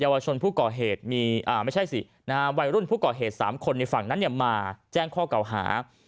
วัยรุ่นผู้ก่อเหตุ๓คนในฝั่งนั้นมาแจ้งข้อเก่าหา